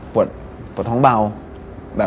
ปวดท้องเบา